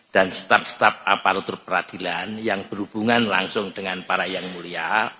dan staf staf aparatur peradilan yang berhubungan langsung dengan para yang mulia